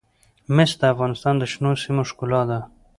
مس د افغانستان د شنو سیمو ښکلا ده.